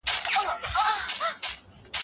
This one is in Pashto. موږ باید د ژوند حق ته درناوی وکړو.